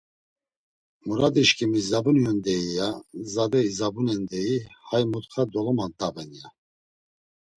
Muradişǩimi zabun’on deyi, ya; zade izabunen, deyi; hay mutxa dolomant̆aben, ya.